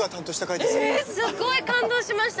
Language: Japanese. えすっごい感動しました。